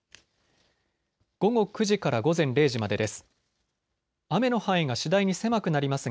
午後９時から午前０時までです。